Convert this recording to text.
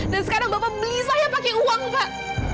dan sekarang bapak beli saya pakai uang pak